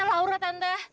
tante laura tante